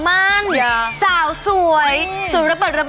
แอร์โหลดแล้วคุณล่ะโหลดแล้ว